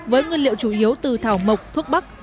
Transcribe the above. với nguyên liệu chủ yếu từ thảo mộc thuốc bắc